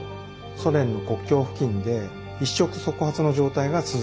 ソ連の国境付近で一触即発の状態が続いています。